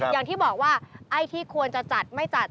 อย่างที่บอกว่าไอ้ที่ควรจะจัดไม่จัด